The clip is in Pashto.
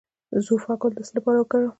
د زوفا ګل د څه لپاره وکاروم؟